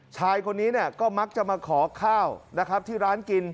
ชายคนนี้ก็มักจะมาขอข้าวนะครับที่ร้านกิน